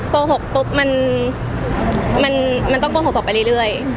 โกหกปุ๊บมันต้องโกหกต่อไปเรื่อย